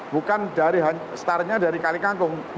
bukan dari startnya dari kali kangkung